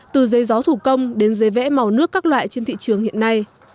từ giấy gió thủ công đến giấy vẽ màu nước các loại trên thị trường hiện nay